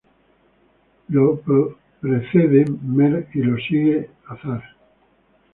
Lo precede mehr y lo sigue azar.